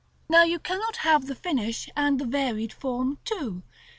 Now you cannot have the finish and the varied form too.